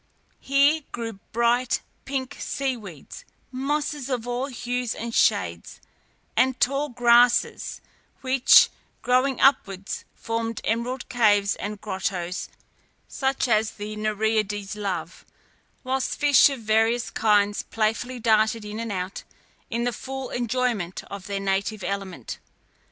Here grew bright, pinky sea weeds, mosses of all hues and shades, and tall grasses, which, growing upwards, formed emerald caves and grottoes such as the Nereides love, whilst fish of various kinds playfully darted in and out, in the full enjoyment of their native element.